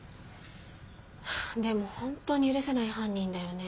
でもホントに許せない犯人だよね。